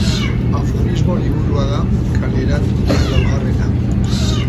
Aforismo liburua da, kaleratu duen laugarrena.